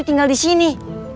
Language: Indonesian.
pak d tinggal di sini